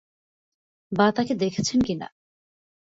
বা তাকে দেখেছেন কিনা?